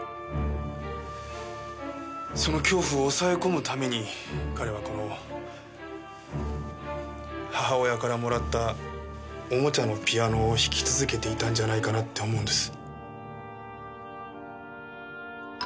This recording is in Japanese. その恐怖を抑え込むために彼はこの母親からもらったおもちゃのピアノを弾き続けていたんじゃないかなって思うんです。